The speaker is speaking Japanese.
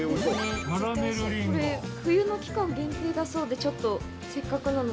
◆これ、冬の期間限定だそうでちょっと、せっかくなので。